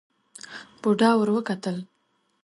بوډا ور وکتل.